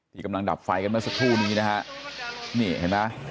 ที่กำลังดับไฟกันมาสักครู่นี้นะครับนี่เห็นป่ะ